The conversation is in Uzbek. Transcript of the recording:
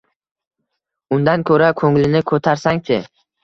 Undan ko‘ra ko‘nglini ko‘tarsang-chi